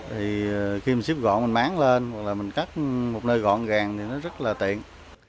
thì khi mình xếp gọn mình mán lên hoặc là mình cắt một nơi gọn gàng thì nó rất là tiện